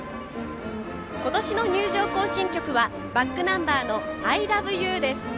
今年の入場行進曲はｂａｃｋｎｕｍｂｅｒの「アイラブユー」です。